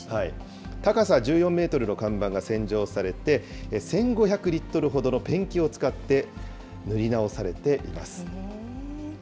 高さ１４メートルの看板が洗浄されて、１５００リットルほどのペンキを使って、塗り直されています。